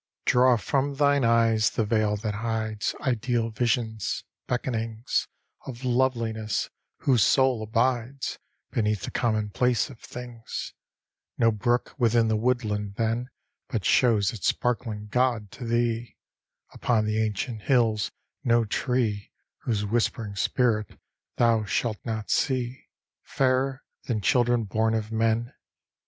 XVII Draw from thine eyes the veil that hides Ideal visions; beckonings Of loveliness, whose soul abides Beneath the commonplace of things: No brook within the woodland then But shows its sparkling god to thee; Upon the ancient hills no tree Whose whispering spirit thou shalt not see, Fairer than children born of men.